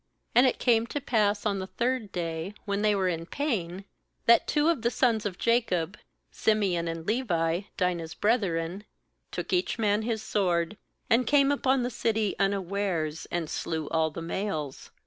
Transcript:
^And it came to pass on the third day, when they were in pain, that two of the sons of Jacob, Simeon and Levi, Dinah's brethren, took each man his sword, and came upon the city unawares, and slew all the males.